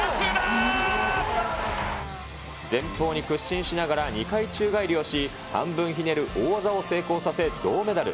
前方に屈伸しながら２回宙返りをし、半分ひねる大技を成功させ、銅メダル。